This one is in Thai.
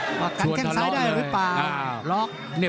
โอ้วประกันแข้งซ้ายได้หรือเปล่า